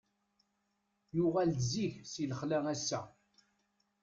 Yuɣal-d zik si lexla ass-a.